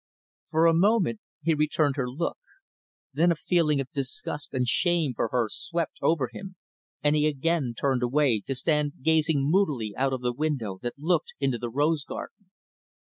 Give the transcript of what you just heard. For a moment he returned her look; then a feeling of disgust and shame for her swept over him, and he again turned away, to stand gazing moodily out of the window that looked into the rose garden.